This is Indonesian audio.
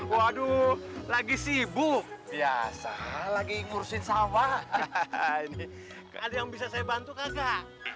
waduh lagi sibuk biasa lagi ngurusin sawah ini ada yang bisa saya bantu kakak